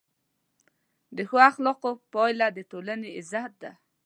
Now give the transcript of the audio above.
د ښو اخلاقو پایله د ټولنې عزت ده.